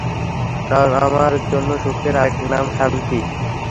কারণ আমার জন্য সুখের আরেক নাম শান্তি।